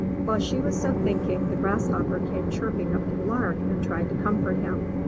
While she was so thinking the Grasshopper came chirping up to the Lark, and tried to comfort him.